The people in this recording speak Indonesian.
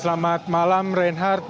selamat malam reinhardt